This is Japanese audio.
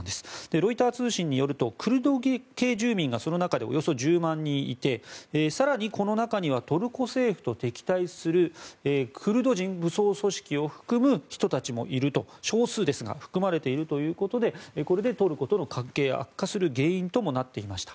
ロイター通信によるとクルド系住民がその中でおよそ１０万人いて更に、この中にはトルコ政府と敵対するクルド人武装組織を含む人たちも少数ですが含まれているということでこれでトルコとの関係が悪化する原因ともなっていました。